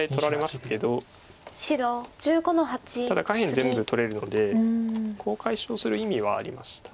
ただ下辺全部取れるのでコウを解消する意味はありました。